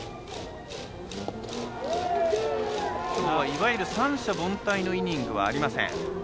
いわゆる三者凡退のイニングはありません。